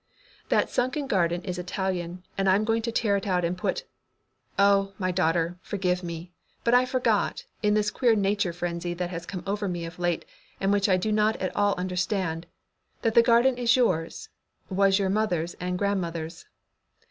"That sunken garden is Italian, and I'm going to tear it out and put Oh, my daughter; forgive me, but I forgot, in this queer nature frenzy that has come over me of late and which I do not at all understand, that the garden is yours, was your mother's and grandmother's.